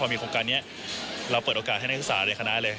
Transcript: มีโครงการนี้เราเปิดโอกาสให้นักศึกษาในคณะเลย